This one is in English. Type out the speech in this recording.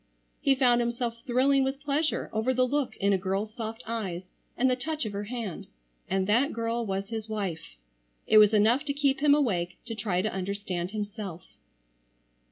he found himself thrilling with pleasure over the look in a girl's soft eyes, and the touch of her hand. And that girl was his wife. It was enough to keep him awake to try to understand himself.